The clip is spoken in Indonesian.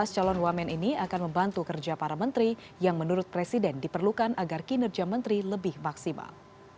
tujuh belas calon wamen ini akan membantu kerja para menteri yang menurut presiden diperlukan agar kinerja menteri lebih maksimal